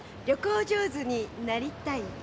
旅行上手になりたい。